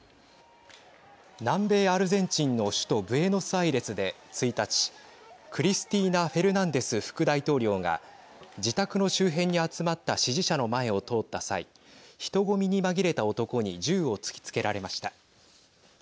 南米アルゼンチンの首都ブエノスアイレスで１日クリスティーナ・フェルナンデス副大統領が自宅の周辺に集まった支持者の前を通った際人混みに紛れた男に銃を突きつけられました。